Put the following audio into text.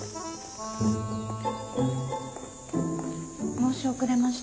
申し遅れました